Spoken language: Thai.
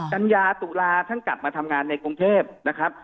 กัญญาตุลาท่านกลับมาทำงานในกรุงเทพนะครับ